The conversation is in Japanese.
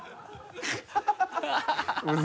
ハハハ